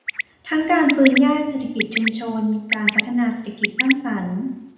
ทั้งการฟื้นย่านเศรษฐกิจชุมชน การพัฒนาเศรษฐกิจสร้างสรรค์